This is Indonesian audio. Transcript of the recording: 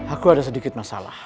aku ada sedikit masalah